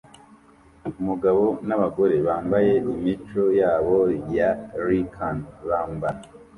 Umugabo nabagore bambaye imico yabo ya Rican bambara